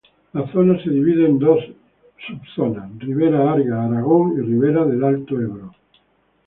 La zona se divide en dos subzonas: Ribera Arga-Aragón y Ribera del Alto Ebro.